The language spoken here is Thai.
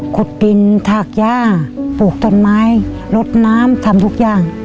ขุดดินถากย่าปลูกต้นไม้ลดน้ำทำทุกอย่าง